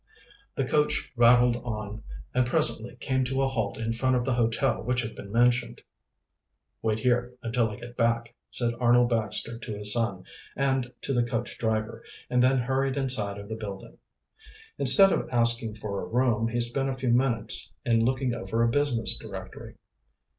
The coach rattled on, and presently came to a halt in front of the hotel which had been mentioned. "Wait here until I get back," said Arnold Baxter to his son and to the coach driver, and then hurried inside of the building. Instead of asking for a room he spent a few minutes in looking over a business directory.